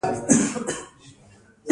مسلمانان به هغه ځمکې لاندې کړي.